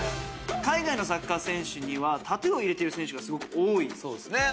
海外のサッカー選手にはタトゥーを入れてる選手がすごく多い。